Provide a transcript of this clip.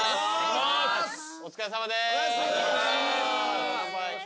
お疲れさまです。